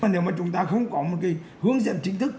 nếu mà chúng ta không có một cái hướng dẫn chính thức